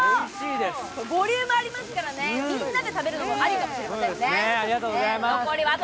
ボリュームありますからみんなで食べるのもありかもしれません。